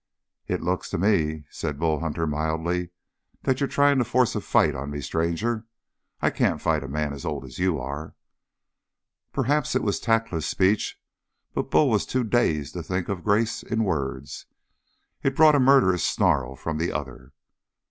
"It looks to me," said Bull Hunter mildly, "that you're trying to force a fight on me. Stranger, I can't fight a man as old as you are." Perhaps it was a tactless speech, but Bull was too dazed to think of grace in words. It brought a murderous snarl from the other.